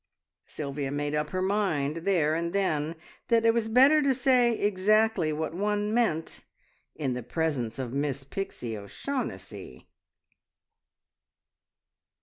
Sylvia made up her mind there and then that it was better to say exactly what one meant in the presence of Miss Pixie O'Shaughnessy!